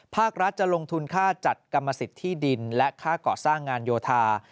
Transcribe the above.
ภาครัฐจะลงทุนค่าจัดกรรมสิทธิ์ที่ดินและค่าก่อสร้างงานโยธา